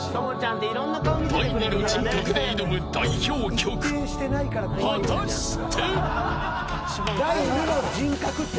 第二の人格で挑む代表曲果たして。